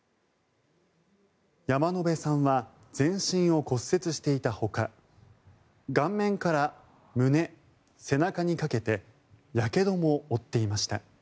山野辺さんは全身を骨折していたほか顔面から胸、背中にかけてやけども負っていました。